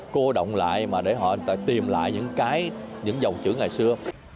cô động lại mà để họ tìm lại những cái những dòng chữ ngày xưa